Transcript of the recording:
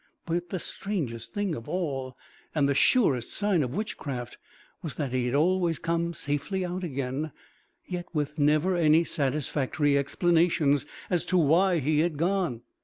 But the strangest thing of all and the surest sign of witchcraft was that he had always come safely out again, yet with never any satisfactory explanations as to why he had gone.